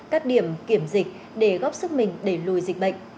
các điểm kiểm dịch để góp sức mình đẩy lùi dịch bệnh